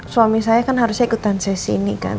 suami saya kan harusnya ikutan sesi ini kan